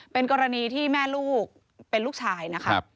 เป็นกรณีที่แม่ลูกเป็นลูกชายนะคะ